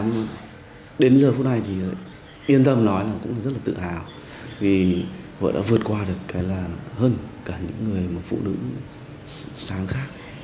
nhưng đến giờ phút này thì yên tâm nói là cũng rất là tự hào vì vợ đã vượt qua được cái là hơn cả những người mà phụ nữ sáng khác